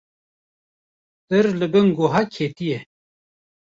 Tir li bin goha ketiye